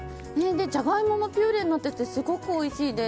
ジャガイモもピュレになっててすごくおいしいです。